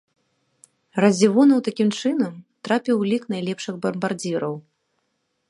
Радзівонаў такім чынам трапіў у лік найлепшых бамбардзіраў.